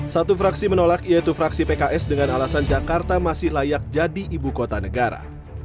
satu fraksi menolak yaitu fraksi pks dengan alasan jakarta masih layak jadi ibu kota negara